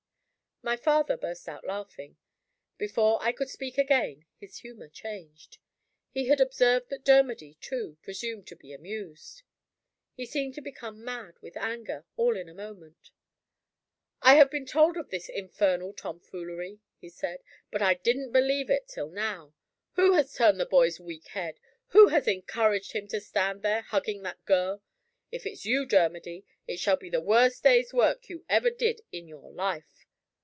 My father burst out laughing. Before I could speak again, his humor changed. He had observed that Dermody, too, presumed to be amused. He seemed to become mad with anger, all in a moment. "I have been told of this infernal tomfoolery," he said, "but I didn't believe it till now. Who has turned the boy's weak head? Who has encouraged him to stand there hugging that girl? If it's you, Dermody, it shall be the worst day's work you ever did in your life."